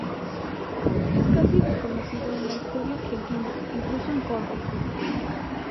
Es casi desconocido en la historia argentina, incluso en Córdoba.